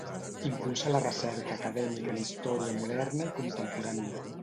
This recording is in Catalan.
Impulsa la recerca acadèmica en història moderna i contemporània.